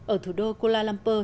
ở thủ đô kuala lumpur